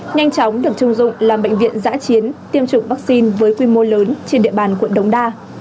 nhanh chóng được chưng dụng làm bệnh viện giã chiến tiêm chủng vaccine với quy mô lớn trên địa bàn quận đống đa